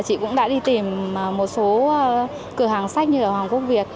chị cũng đã đi tìm một số cửa hàng sách như ở hoàng quốc việt